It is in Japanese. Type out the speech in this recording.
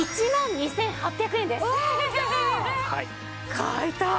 買いたい。